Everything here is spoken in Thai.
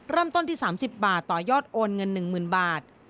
เริ่มต้นที่๓๐บาทต่อยอดโอนเงิน๑๐๐๐บาท